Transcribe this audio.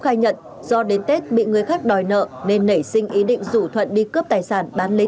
khai nhận do đến tết bị người khác đòi nợ nên nảy sinh ý định rủ thuận đi cướp tài sản bán lấy